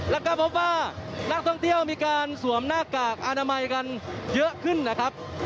แล้วก็พบว่านักท่องเที่ยวมีการสวมหน้ากากอนามัยกันเยอะขึ้นนะครับ